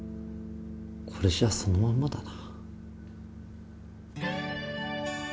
これじゃそのまんまだな。